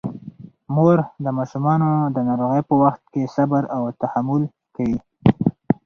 مور د ماشومانو د ناروغۍ په وخت کې صبر او تحمل کوي.